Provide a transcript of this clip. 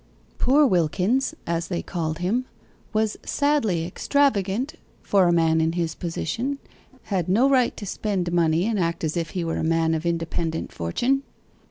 "Poor Wilkins," as they called him, "was sadly extravagant for a man in his position; had no right to spend money, and act as if he were a man of independent fortune."